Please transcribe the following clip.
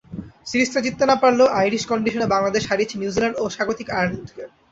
সিরিজটা জিততে না পারলেও আইরিশ কন্ডিশনে বাংলাদেশ হারিয়েছে নিউজিল্যান্ড ও স্বাগতিক আয়ারল্যান্ডকে।